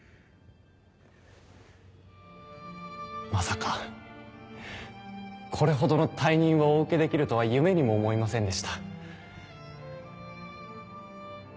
まさかこれほどの大任をお受けできるとは夢にも思いませんでした